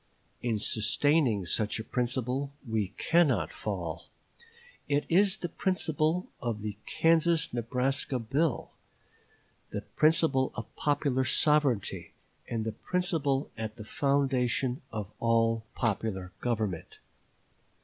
In sustaining such a principle we cannot fall. It is the principle of the Kansas Nebraska bill; the principle of popular sovereignty; and the principle at the foundation of all popular government.